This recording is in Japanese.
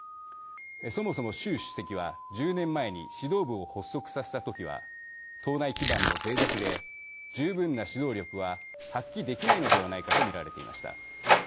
そもそも、習主席は１０年前に指導部を発足させた時は党内基盤もぜい弱で十分な指導力は発揮できないのではないかと見られていました。